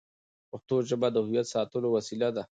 پښتو ژبه د هویت ساتلو وسیله ده.